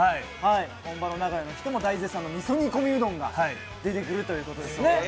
本場の名古屋の人も大絶賛の味噌煮込みうどんが出てくるお店ということですね。